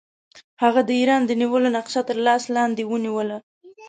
هغه د ایران د نیولو نقشه تر لاس لاندې ونیوله.